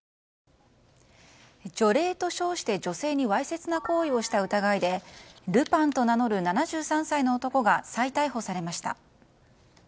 除霊と称して、女性にわいせつな行為をした疑いでルパンと名乗る７３歳の男が再逮捕されました。